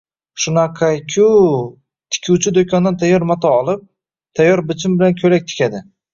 Shunaqa-ku… Tikuvchi do’kondan tayyor mato olib, tayyor bichim bilan ko’ylak tikadi.